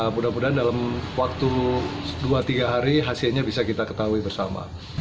mudah mudahan dalam waktu dua tiga hari hasilnya bisa kita ketahui bersama